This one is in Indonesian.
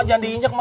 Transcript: jangan diinjak ma